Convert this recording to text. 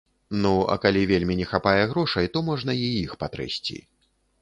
Ну, а калі вельмі не хапае грошай, то можна і іх патрэсці.